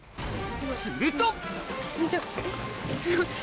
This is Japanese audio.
すると！